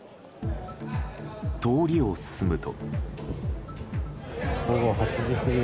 通りを進むと。